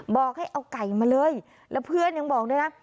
บอกให้เอาไก่มาเลยแล้วเพื่อนยังบอกด้วยนะ